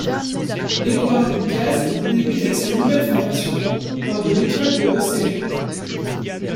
Edward Díaz débute avec sa nouvelle formation lors de l'Étoile de Bessèges.